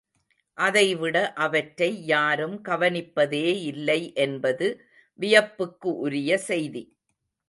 அதைவிட, அவற்றை யாரும் கவனிப்பதே இல்லை என்பது வியப்புக்கு உரிய செய்தி.